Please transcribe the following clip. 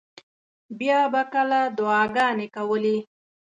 ما به کله دعاګانې کولې.